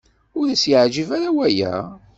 Ur as-yeɛjib ara waya.